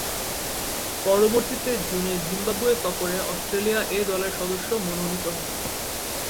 পরবর্তীতে জুনে জিম্বাবুয়ে সফরে অস্ট্রেলিয়া এ দলের সদস্য মনোনীত হন।